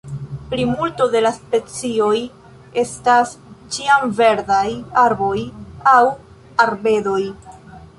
Plimulto de la specioj estas ĉiamverdaj arboj aŭ arbedoj.